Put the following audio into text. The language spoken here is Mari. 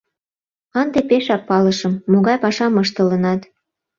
— Ынде пешак палышым, могай пашам ыштылынат.